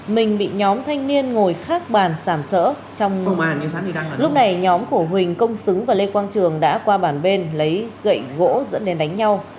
mình bị nhóm thanh niên ngồi khác bàn sảm sỡ trong nồm lúc này nhóm của huỳnh công xứng và lê quang trường đã qua bàn bên lấy gậy gỗ dẫn đến đánh nhau